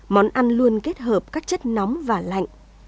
món ăn luôn kết hợp các chất nóng và lạnh